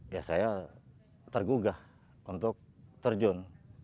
ya saya tergugah untuk terjun